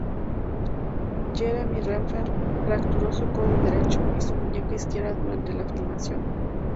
Jeremy Renner fracturó su codo derecho y su muñeca izquierda durante la filmación.